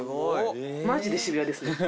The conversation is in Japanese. マジで渋谷ですね。